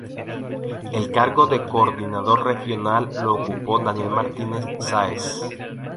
El cargo de coordinador regional lo ocupó Daniel Martínez Sáez.